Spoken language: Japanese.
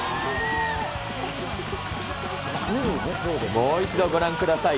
もう一度ご覧ください。